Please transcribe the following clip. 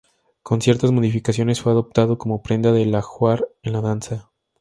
Con ciertas modificaciones fue adoptado como prenda del ajuar en la danza.